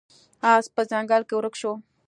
اس په ځنګل کې ورک شو.